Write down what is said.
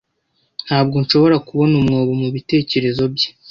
Ntabwo nshobora kubona umwobo mubitekerezo bye.